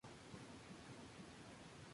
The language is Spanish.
Posiciones Finales